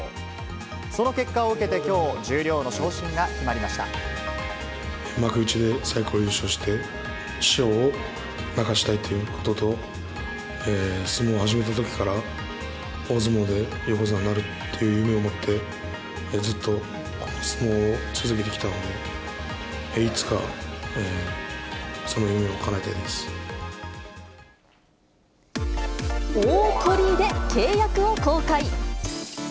その結果を受けてきょう、幕内で最高優勝して、師匠を泣かせたいということと、相撲を始めたときから大相撲で横綱になるっていう夢を持って、ずっと相撲を続けてきたので、大トリで契約を更改。